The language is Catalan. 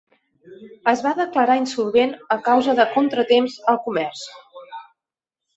Es va declarar insolvent a causa de "contratemps al comerç".